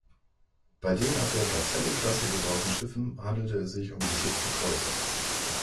Bei den ab der Gazelle-Klasse gebauten Schiffen handelte es sich um geschützte Kreuzer.